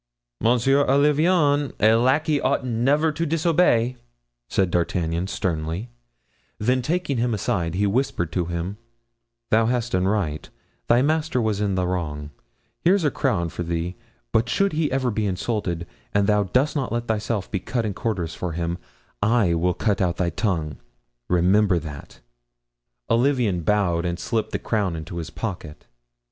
"Monsieur Olivain, a lackey ought never to disobey," said D'Artagnan, sternly; then taking him aside, he whispered to him: "Thou hast done right; thy master was in the wrong; here's a crown for thee, but should he ever be insulted and thou dost not let thyself be cut in quarters for him, I will cut out thy tongue. Remember that." Olivain bowed and slipped the crown into his pocket.